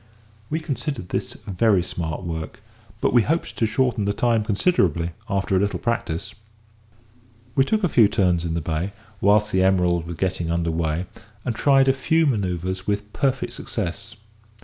We considered this very smart work, but we hoped to shorten the time considerably after a little practice. We took a few turns in the bay, whilst the Emerald was getting under weigh, and tried a few manoeuvres with perfect success.